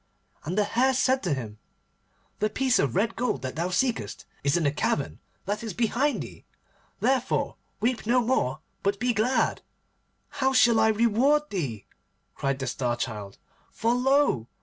And the Hare said to him, 'The piece of red gold that thou seekest is in the cavern that is behind thee. Therefore weep no more but be glad.' 'How shall I reward thee?' cried the Star Child, 'for lo!